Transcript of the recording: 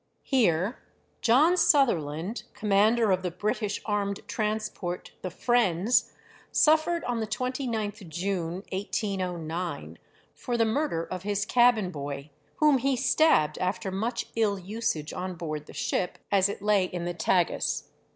Here John Sutherland, commander of the British armed transport 'The Friends,' suffered on the 29th June, 1809, for the murder of his cabin boy, whom he stabbed after much ill usage on board the ship as it lay in the Tagus.